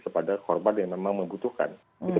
kepada korban yang memang membutuhkan